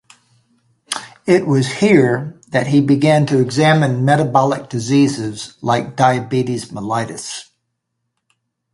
It was here that he began to examine metabolic diseases like diabetes mellitus.